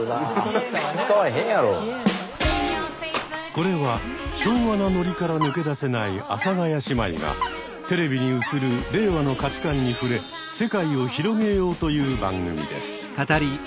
これは昭和なノリから抜け出せない阿佐ヶ谷姉妹がテレビに映る令和の価値観に触れ世界を広げようという番組です。